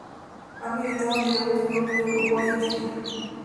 Ha militado en diversos clubes de Uruguay y Chile.